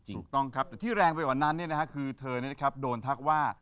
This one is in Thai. ถูกต้องครับแต่ที่แรงไปกว่านั้นคือเธอโดนทักว่า